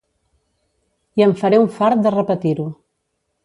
I em faré un fart de repetir-ho.